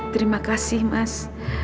terima kasih mas